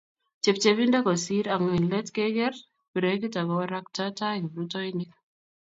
chepchebindo kosir ak eng let keker brekit ak korakta tai kiprutoinik.